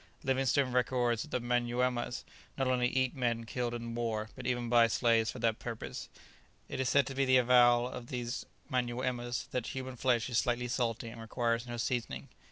Livingstone records that the Manyuemas not only eat men killed in war, but even buy slaves for that purpose; it is said to be the avowal of these Manyuemas that "human flesh is slightly salt, and requires no seasoning."